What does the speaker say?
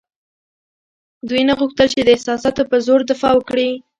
دوی نه غوښتل چې د احساساتو په زور دفاع وکړي.